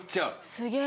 すげえ。